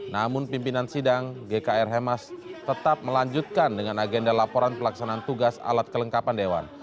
namun pimpinan sidang gkr hemas tetap melanjutkan dengan agenda laporan pelaksanaan tugas alat kelengkapan dewan